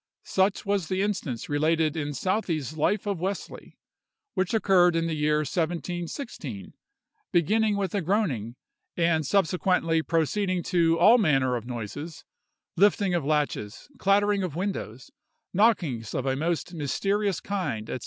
Such was the instance related in Southey's Life of Wesley, which occurred in the year 1716, beginning with a groaning, and subsequently proceeding to all manner of noises, lifting of latches, clattering of windows, knockings of a most mysterious kind, &c.